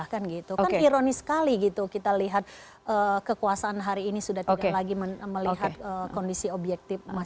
kan ironis sekali kita lihat kekuasaan hari ini sudah tidak lagi melihat kondisi objektif